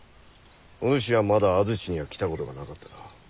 お主はまだ安土には来たことがなかったな。